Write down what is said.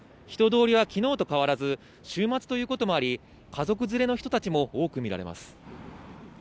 人通りは昨日と変わらず週末ということもあり、家族連れの人たちも多く見られます。